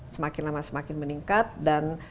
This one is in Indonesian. semakin lama semakin meningkat dan